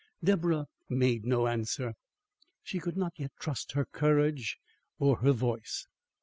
Deborah made no answer. She could not yet trust her courage or her voice.